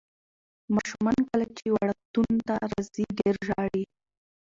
ماشومان کله چې وړکتون ته راځي ډېر ژاړي.